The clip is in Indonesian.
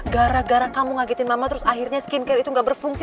gara gara kamu ngagetin mama terus akhirnya skincare itu gak berfungsi